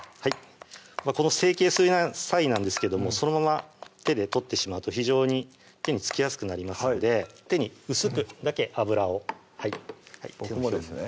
この成形する際なんですけどもそのまま手で取ってしまうと非常に手に付きやすくなりますので手に薄くだけ油を僕もですね